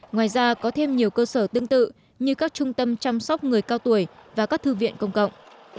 ngoài ra có thêm nhiều cơ sở tương tự như các trung tâm chăm sóc người cao tuổi và các thư viện công cộng